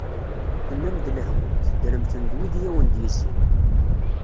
Tennam-d lehmum, teddrem-ten d wid i awen-d-yezzin.